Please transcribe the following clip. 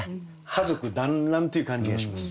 家族団らんという感じがします。